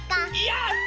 やった！